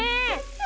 え？